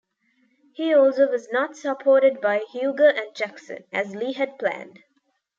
He also was not supported by Huger and Jackson, as Lee had planned.